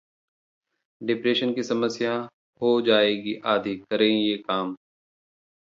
depression की समस्या हो जाएगी आधी, करें ये काम